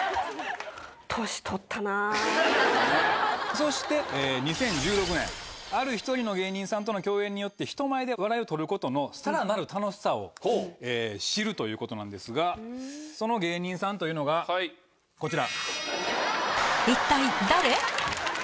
そして２０１６年ある１人の芸人さんとの共演によって人前で笑いを取ることのさらなる楽しさを知るということなんですがその芸人さんというのがこちら。